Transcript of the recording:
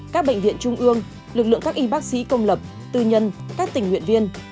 các bệnh viện trung ương lực lượng các y bác sĩ công lập tư nhân các tình nguyện viên